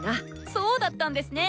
そうだったんですね。